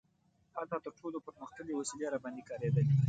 حتی تر ټولو پرمختللې وسلې راباندې کارېدلي.